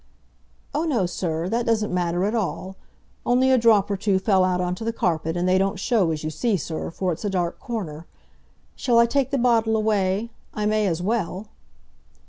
"Oh, no, sir! That doesn't matter at all. Only a drop or two fell out on to the carpet, and they don't show, as you see, sir, for it's a dark corner. Shall I take the bottle away? I may as well."